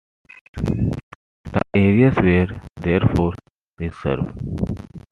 The areas were therefore reserved.